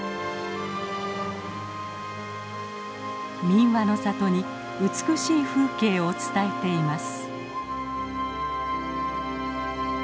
民話の里に美しい風景を伝えています。